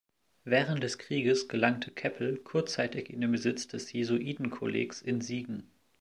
Während des Krieges gelangte Keppel kurzzeitig in den Besitz des Jesuitenkollegs in Siegen.